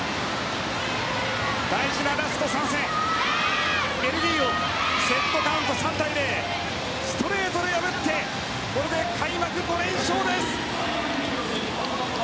大事なラスト３戦ベルギーをセットカウント３対０ストレートで破ってこれで開幕５連勝です！